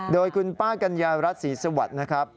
โดยคุณป้ากัญญารัฐศรีสวัสดิ์นะครับ